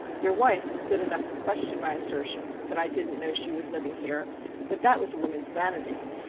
Your wife was good enough to question my assertion that I didn't know that she was living here, but that was a woman's vanity.